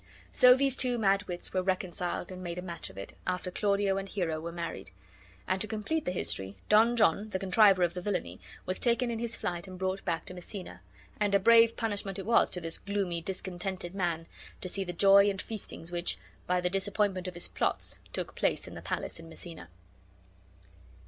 So these two mad wits were reconciled and made a match of it, after Claudio and Hero were married; and to complete the history, Don John, the contriver of the villainy, was taken in his flight and brought back to Messina; and a @@brave punishment it was to this gloomy, discontented man to see the joy and feastings which, by the disappointment of his plots, took place in the palace in Messina.